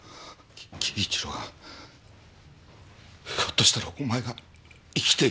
輝一郎がひょっとしたらお前が生きているって。